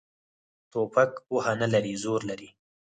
توپک پوهه نه لري، زور لري.